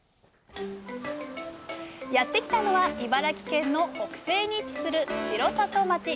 やってきたのは茨城県の北西に位置する城里町。